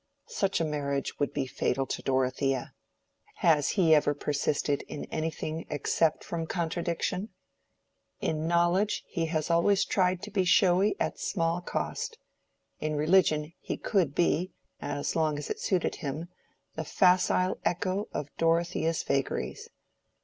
Such a marriage would be fatal to Dorothea. Has he ever persisted in anything except from contradiction? In knowledge he has always tried to be showy at small cost. In religion he could be, as long as it suited him, the facile echo of Dorothea's vagaries.